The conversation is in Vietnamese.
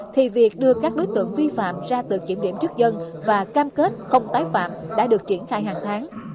thì việc đưa các đối tượng vi phạm ra tự kiểm điểm trước dân và cam kết không tái phạm đã được triển khai hàng tháng